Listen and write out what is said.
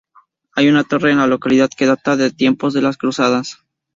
Hay una torre en la localidad que data de tiempos de las Cruzadas.